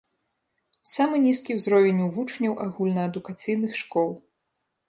Самы нізкі ўзровень у вучняў агульнаадукацыйных школ.